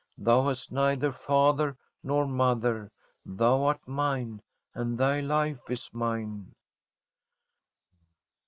Thou hast neither father nor mother ; thou art mine, and thy life is mine."